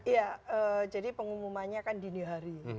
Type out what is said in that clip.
ya jadi pengumumannya kan dini hari